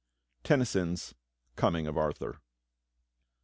Tennyson's "Coming of Arthur."